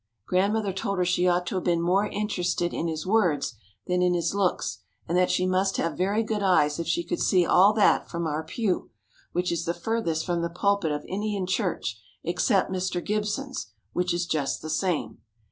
Grandmother told her she ought to have been more interested in his words than in his looks, and that she must have very good eyes if she could see all that from our pew, which is the furthest from the pulpit of any in church, except Mr. Gibson's, which is just the same.